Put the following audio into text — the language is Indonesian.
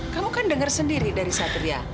kamu kan dengar sendiri dari satria